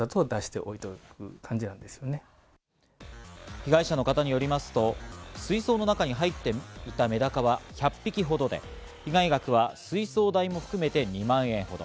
被害者の方によりますと、水槽の中に入っていたメダカは１００匹ほどで、被害額は水槽代も含めて２万円ほど。